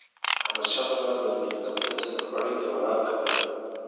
احمدشاه بابا به د ملت د سرلوړی دعا کوله.